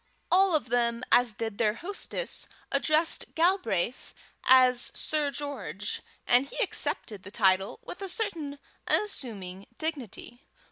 All of them, as did their hostess, addressed Galbraith as Sir George, and he accepted the title with a certain unassuming dignity.